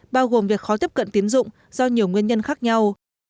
bao gồm việc khó tiếp cận tiến dụng do nhiều nguyên nhân khác nhau